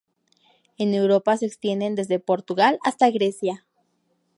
En Europa se extienden desde Portugal hasta Grecia.